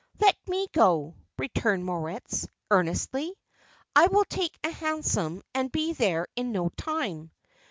"Let me go," returned Moritz, earnestly. "I will take a hansom and be there in no time.